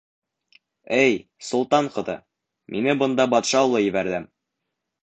— Эй солтан ҡыҙы, мине бында батша улы ебәрҙе.